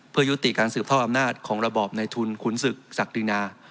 เพื่อยุติการสืบทอดอำนาจของระบอบในทุนขุนศึกศักดินา